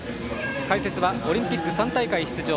解説はオリンピック３大会出場